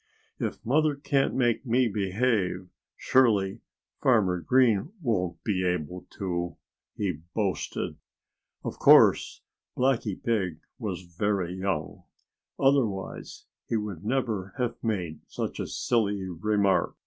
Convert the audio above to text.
"If Mother can't make me behave, surely Farmer Green won't be able to," he boasted. Of course Blackie Pig was very young. Otherwise he would never have made such a silly remark.